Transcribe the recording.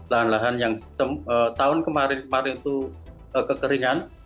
lahan lahan yang tahun kemarin kemarin itu kekeringan